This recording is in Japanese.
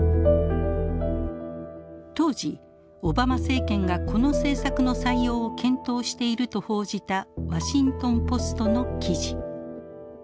当時オバマ政権がこの政策の採用を検討していると報じたワシントンポストの記事。